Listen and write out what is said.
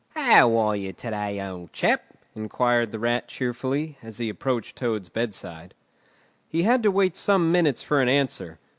"How are you to day, old chap?" inquired the Rat cheerfully, as he approached Toad's bedside. He had to wait some minutes for an answer.